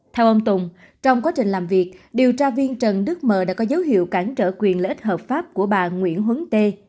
theo ông tùng trong quá trình làm việc điều tra viên trần đức mờ đã có dấu hiệu cản trở quyền lợi ích hợp pháp của bà nguyễn hướng tê